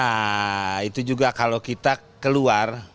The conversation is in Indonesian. nah itu juga kalau kita keluar